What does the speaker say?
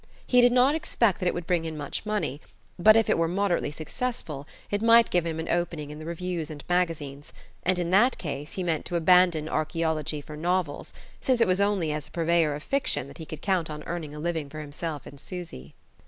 He did not expect that it would bring in much money; but if it were moderately successful it might give him an opening in the reviews and magazines, and in that case he meant to abandon archaeology for novels, since it was only as a purveyor of fiction that he could count on earning a living for himself and Susy.